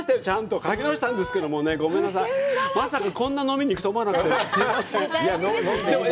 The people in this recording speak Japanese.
書き直したんですけどね、まさかこんな飲みに行くと思わなかった。